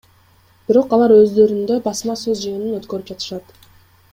Бирок алар өздөрүндө басма сөз жыйынын өткөрүп жатышат.